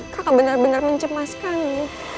kakak benar benar mencemaskanmu